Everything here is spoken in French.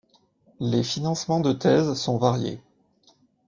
Les financements de thèse sont variés.